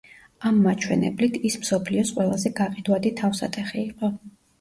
ამ მაჩვენებლით ის მსოფლიოს ყველაზე გაყიდვადი თავსატეხი იყო.